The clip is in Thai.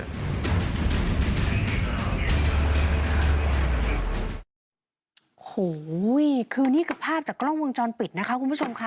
โอ้โหคือนี่คือภาพจากกล้องวงจรปิดนะคะคุณผู้ชมค่ะ